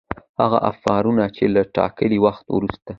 هغه آفرونه چي له ټاکلي وخته وروسته